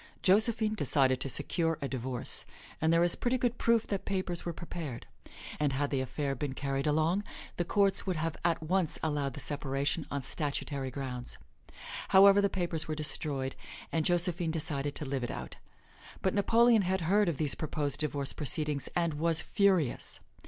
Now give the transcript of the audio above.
Josephine decided to secure a divorce, and there is pretty good proof that papers were prepared; and had the affair been carried along, the courts would have at once allowed the separation on statutory grounds. However, the papers were destroyed, and Josephine decided to live it out. But Napoleon had heard of these proposed divorce proceedings and was furious.